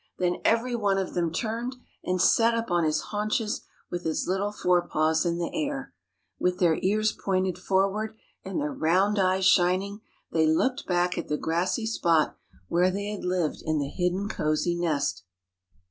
Then every one of them turned, and sat up on his haunches with his little fore paws in the air. With their ears pointed forward, and their round eyes shining, they looked back at the grassy spot where they had lived in the hidden cosy nest.